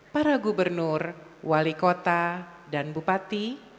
para gubernur wali kota dan bupati